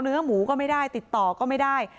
เนื้อหมูก็ไม่ได้ติดต่อก็ไม่ได้